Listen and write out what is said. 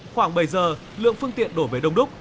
khoảng bảy giờ lượng phương tiện đổ về đông đúc